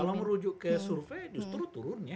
kalau merujuk ke survei justru turun ya